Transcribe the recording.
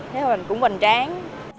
thế thôi cũng bành tráng